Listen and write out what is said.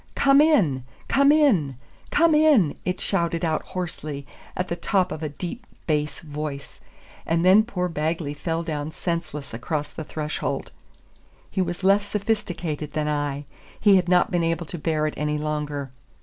"Come in! come in! come in!" it shouted out hoarsely at the top of a deep bass voice, and then poor Bagley fell down senseless across the threshold. He was less sophisticated than I, he had not been able to bear it any longer.